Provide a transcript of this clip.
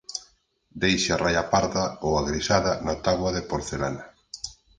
Deixa raia parda ou agrisada na táboa de porcelana.